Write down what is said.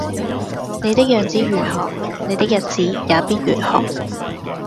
你的樣子如何，你的日子也必如何